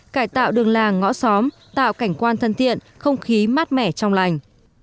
cải tạo đường làng ngõ xóm tạo cảnh quan thân thiện không khí mát mẻ trong lành